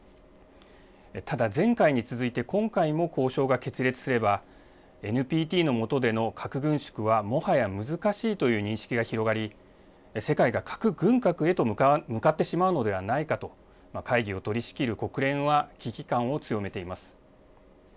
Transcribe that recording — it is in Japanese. ただ、前回に続いて今回も交渉が決裂すれば、ＮＰＴのもとでの核軍縮はもはや難しいという認識が広がり、世界が核軍拡へと向かってしまうのではないかと、会議を取りしきる国連は危機感を強めています。